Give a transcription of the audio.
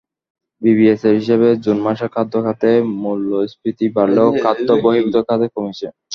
বিবিএসের হিসাবে, জুন মাসে খাদ্য খাতে মূল্যস্ফীতি বাড়লেও খাদ্যবহির্ভূত খাতে কমেছে।